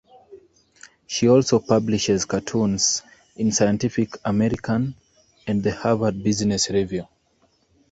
She also publishes cartoons in "Scientific American" and the "Harvard Business Review".